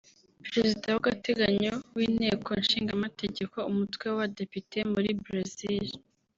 Perezida w’agateganyo w’Inteko Ishinga Amategeko umutwe w’abadepite muri Brazil